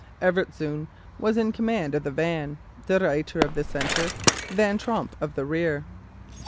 Evertszoon was in command of the van; De Ruyter of the centre; Van Tromp of the rear.